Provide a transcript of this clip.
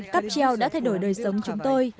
cắp treo đã thay đổi đời sống chúng tôi